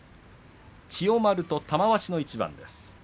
千代丸と玉鷲の一番。